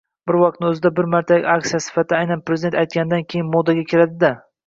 bir vaqtni o‘zida bir martalik aksiya sifatida aynan prezident aytganidan keyin modaga kiradida